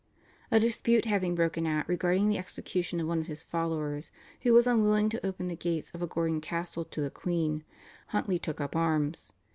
A dispute having broken out regarding the execution of one of his followers, who was unwilling to open the gates of a Gordon castle to the queen, Huntly took up arms.